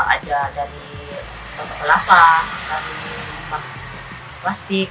ada dari kelapa dari plastik